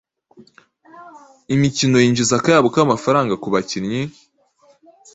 Imikino yinjiza akayabo k’amafaranga ku bakinnyi,